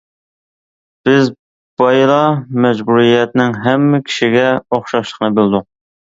بىز بايىلا مەجبۇرىيەتنىڭ ھەممە كىشىگە ئوخشاشلىقىنى بىلدۇق.